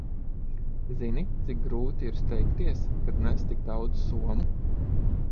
Zini, cik grūti ir steigties, kad nes tik daudz somu?